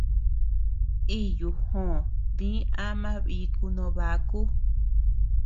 Iyu jòò dí ama biku no baku.